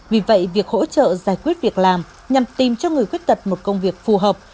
vì vậy việc hỗ trợ giải quyết việc làm nhằm tìm cho người khuyết tật một công việc phù hợp